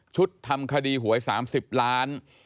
ทำคดีหวย๓๐ล้าน